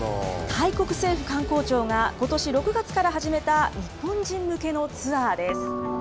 タイ国政府観光庁がことし６月から始めた日本人向けのツアーです。